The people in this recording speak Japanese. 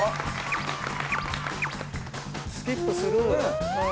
スキップする。